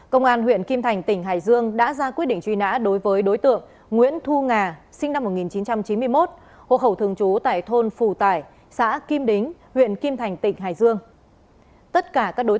cảm ơn các bạn đã theo dõi